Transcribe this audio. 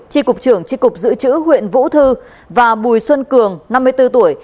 tri cục trưởng tri cục dự trữ huyện vũ thư và bùi xuân cường năm mươi bốn tuổi